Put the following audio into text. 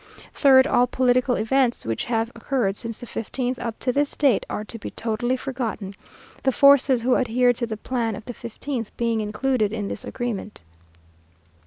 3rd, All political events, which have occurred since the fifteenth, up to this date, are to be totally forgotten, the forces who adhered to the plan of the fifteenth being included in this agreement.